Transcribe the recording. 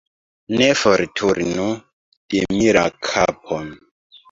Ne forturnu de mi la kapon.